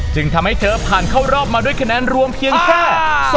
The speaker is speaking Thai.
จึงทำให้เธอผ่านเข้ารอบมาด้วยคะแนนรวมเพียงแค่